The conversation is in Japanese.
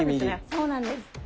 そうなんです。